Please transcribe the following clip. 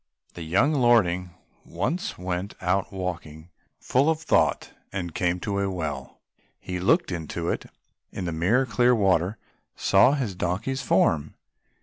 The young lordling once went out walking full of thought and came to a well, he looked into it and in the mirror clear water saw his donkey's form.